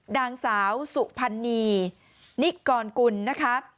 ดางสาวสุพันนีค์นิกกอนกุลนะคะ